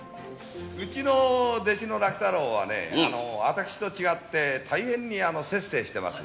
うちの弟子の楽太郎はね、あたくしと違って、大変に摂生してます。